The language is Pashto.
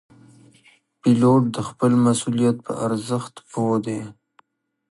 پیلوټ د خپل مسؤلیت په ارزښت پوه دی.